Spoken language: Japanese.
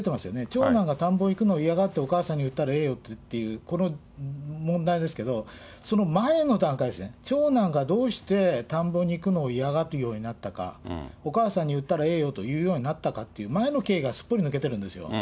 長男が田んぼに行くのを嫌がって、お母さんに売ったらええよって言ったと、この問題ですけど、その前の段階ですね、長男がどうして田んぼに行くのを嫌がるようになったか、お母さんに売ったらええよと言うようになったかという前の経緯がすっぽり抜けているんですよ。